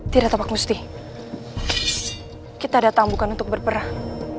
tidak tampak musti kita datang bukan untuk berperang